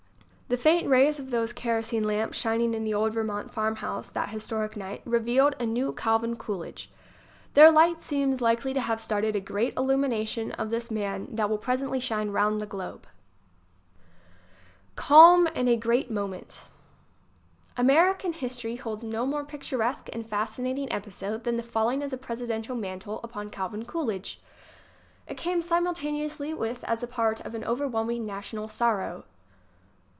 The faint rays of those kerosene lamps shining in the old Vermont farmhouse that historic night re vealed a new Calvin Coolidge. Their light seems like ly to have started a great illumination of this man that will presently shine 'round the globe. 1 9 1 HAVE FAITH IN COOLIDGE! Calm In a Great Moment American history holds no more picturesque and fascinating episode than the falling of the presiden tial mantle upon Calvin Coolidge. It came simultaneously with and as a part of an overwhelming national sorrow.